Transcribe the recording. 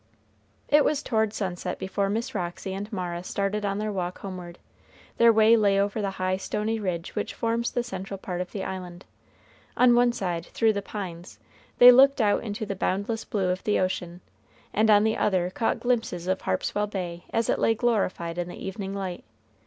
It was toward sunset before Miss Roxy and Mara started on their walk homeward. Their way lay over the high stony ridge which forms the central part of the island. On one side, through the pines, they looked out into the boundless blue of the ocean, and on the other caught glimpses of Harpswell Bay as it lay glorified in the evening light.